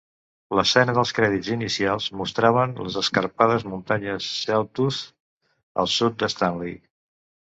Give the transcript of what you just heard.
L'escena dels crèdits inicials mostraven les escarpades muntanyes Sawtooth al sud de Stanley.